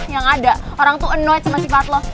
yang ada orang itu annoyed sama sifat lo